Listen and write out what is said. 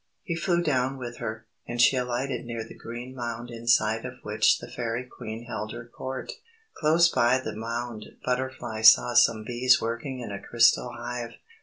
He flew down with her, and she alighted near the green mound inside of which the Fairy Queen held her Court. Close by the mound Butterfly saw some bees working in a crystal hive.